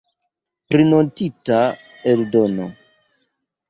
Prinotita eldono.